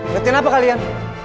beresin apa kalian